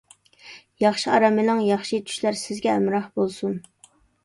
ياخشى ئارام ئېلىڭ، ياخشى چۈشلەر سىزگە ھەمراھ بولسۇن!